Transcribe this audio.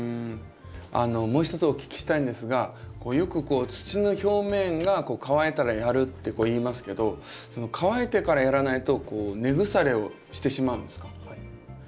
あのもう一つお聞きしたいんですがよく土の表面が乾いたらやるって言いますけど乾いてからやらないと根腐れをしてしまうんですか？